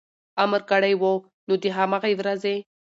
امر کړی و، نو د هماغې ورځې